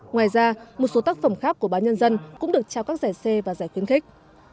ngoài ra một số tác phẩm khác của báo nhân dân cũng được trao các giải c và giải khuyến khích